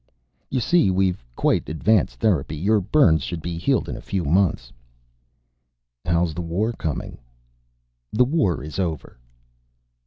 "You see we've quite advanced therapy. Your burns should be healed in a few months." "How is the war coming?" "The war is over."